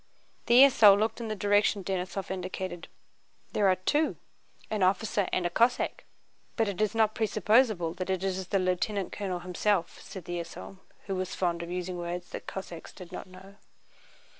The esaul looked in the direction Denísov indicated. "There are two, an officer and a Cossack. But it is not presupposable that it is the lieutenant colonel himself," said the esaul, who was fond of using words the Cossacks did not know.